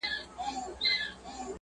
بلکي تلپاتي والی هم لري